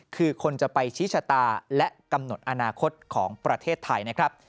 คือคนจะไปชี้ชะตาและกำหนดอนาคตของประเทศไทยนะครับ